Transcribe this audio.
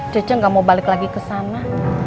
cece gak mau balik lagi kesana